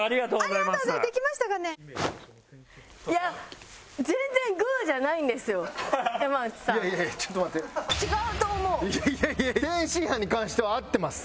いやいやいやいや天津飯に関しては合ってます。